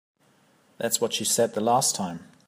That's what she said the last time.